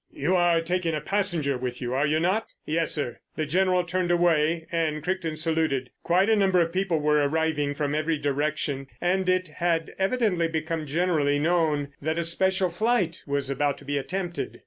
"You are taking a passenger with you, are you not?" "Yes, sir." The General turned away, and Crichton saluted. Quite a number of people were arriving from every direction, and it had evidently become generally known that a special flight was about to be attempted.